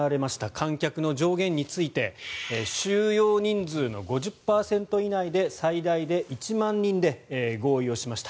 観客の上限について収容定員の５０％以内で最大で１万人で合意しました。